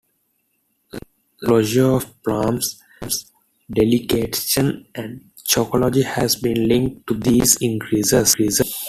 The closure of Palm's Delicatessen and Chocology has been linked to these increases.